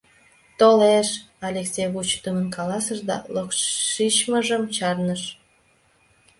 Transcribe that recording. — Толеш, — Алексей вучыдымын каласыш да локшичмыжым чарныш.